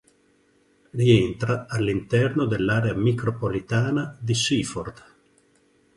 Rientra all'interno dell'area micropolitana di Seaford.